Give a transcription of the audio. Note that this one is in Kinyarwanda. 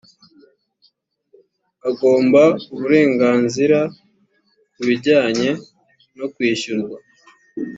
agomba uburenganzira ku bijyanye no kwishyurwa